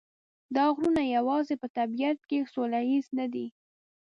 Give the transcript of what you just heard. دا غرونه یوازې په طبیعت کې سوله ییز نه دي.